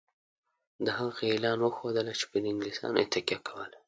د هغه اعلان وښودله چې پر انګلیسیانو تکیه کوله.